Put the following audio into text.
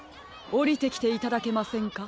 おりてきていただけませんか？